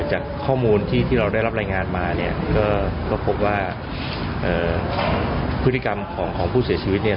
จากข้อมูลที่เราได้รับรายงานมาเนี่ยก็พบว่าพฤติกรรมของผู้เสียชีวิตเนี่ย